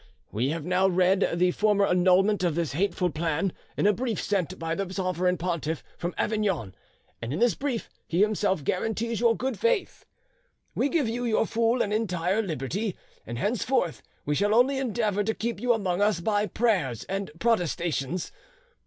We have now read the formal annulment of this hateful plan, in a brief sent by the sovereign pontiff from Avignon; and in this brief he himself guarantees your good faith. "We give you your full and entire liberty, and henceforth we shall only endeavour to keep you among us by prayers and protestations.